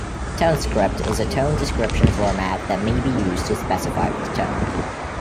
ToneScript is a tone description format that may be used to specify the tone.